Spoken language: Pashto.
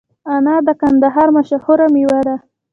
انار د کندهار مشهوره میوه ده